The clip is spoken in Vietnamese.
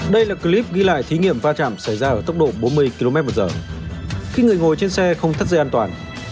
đây là clip ghi lại thí nghiệm pha trạm xảy ra ở tốc độ bốn mươi kmh khi người ngồi trên xe không thắt dây an toàn